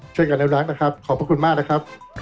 ช่วยกันอนุรักษ์นะครับขอบพระคุณมากนะครับ